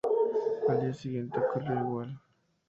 Al día siguiente ocurrió igual.